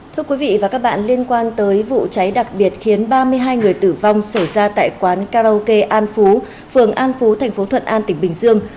thưa quý vị và các bạn liên quan tới vụ cháy đặc biệt khiến ba mươi hai người tử vong xảy ra tại quán karaoke an phú phường an phú thành phố thuận an tỉnh bình dương